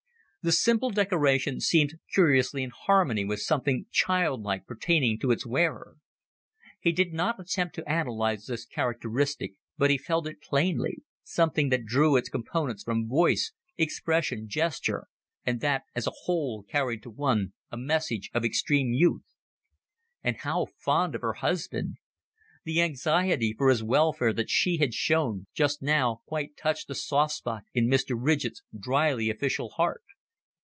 The simple decoration seemed curiously in harmony with something childlike pertaining to its wearer. He did not attempt to analyze this characteristic, but he felt it plainly something that drew its components from voice, expression, gesture, and that as a whole carried to one a message of extreme youth. And how fond of her husband! The anxiety for his welfare that she had shown just now quite touched a soft spot in Mr. Ridgett's dryly official heart.